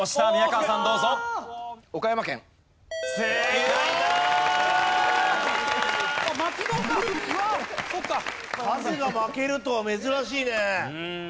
カズが負けるとは珍しいね。